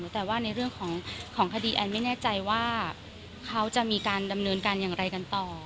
แต่ว่าในเรื่องของคดีแอนไม่แน่ใจว่าเขาจะมีการดำเนินการอย่างไรกันต่อ